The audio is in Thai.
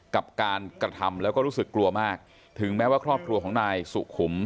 กับการกระทำแล้วก็รู้สึกกลัวมากถึงแม้ว่าครอบครัวของนายสุขุม